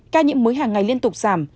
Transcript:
ca nhiễm mới hàng ngày liên tục giảm